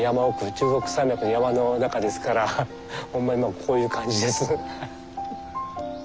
中国山脈の山の中ですからほんまにこういう感じです。